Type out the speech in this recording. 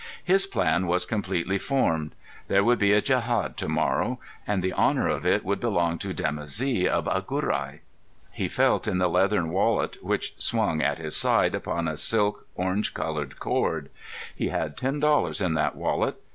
His plan was completely formed. There would be a djehad to morrow, and the honour of it would belong to Dimoussi of Agurai. He felt in the leathern wallet which swung at his side upon a silk orange coloured cord. He had ten dollars in that wallet.